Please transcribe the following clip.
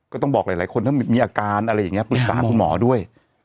ก็ต้องบอกหลายคนถ้ามีอาการอะไรอย่างนี้ปรึกษาคุณหมอด้วย